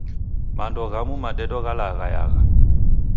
Mando ghamu madedo ghalaghayagha.